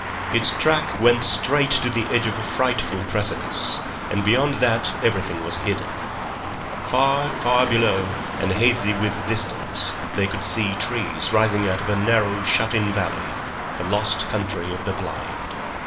His track went straight to the edge of a frightful precipice, and beyond that everything was hidden. Far, far below, and hazy with distance, they could see trees rising out of a narrow, shut in valley—the lost Country of the Blind.